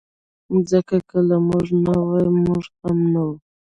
مځکه که له موږ نه وای، موږ هم نه وو.